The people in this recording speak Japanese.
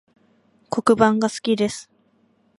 黒板が好きです